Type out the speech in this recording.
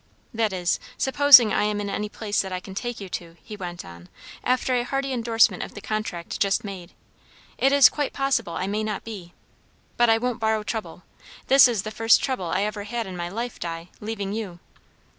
"That is, supposing I am in any place that I can take you to," he went on, after a hearty endorsement of the contract just made. "It is quite possible I may not be! But I won't borrow trouble. This is the first trouble I ever had in my life, Di, leaving you."